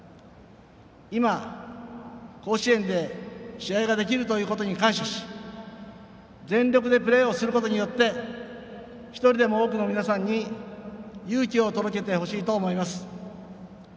今、甲子園で試合ができるということに感謝し全力でプレーをすることによって１人でも多くの皆さんに勇気を届けてほしいと思います。